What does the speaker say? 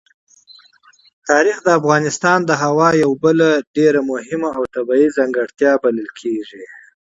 تاریخ د افغانستان د اقلیم یوه بله ډېره مهمه او طبیعي ځانګړتیا بلل کېږي.